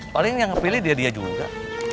paling yang pilih dia dia juga